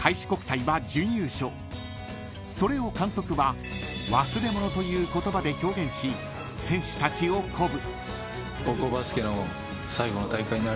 ［それを監督は「忘れ物」という言葉で表現し選手たちを鼓舞］